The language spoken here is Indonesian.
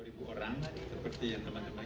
dua orang seperti yang namanya